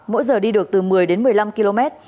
mỗi giờ đi được từ một mươi đến một mươi năm km